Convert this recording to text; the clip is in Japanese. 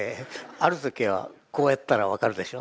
ある時はこうやったら分かるでしょ？